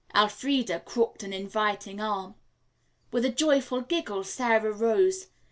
Elfreda crooked an inviting arm. With a joyful giggle Sara rose.